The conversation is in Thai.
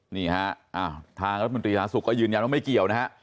นี่ฮะอ้าวทางรัฐมนตรีหลาศุกร์ก็ยืนยังว่าไม่เกี่ยวนะฮะ